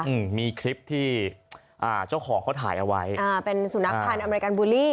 อืมมีคลิปที่อ่าเจ้าของเขาถ่ายเอาไว้อ่าเป็นสุนัขพันธ์อเมริกันบูลลี่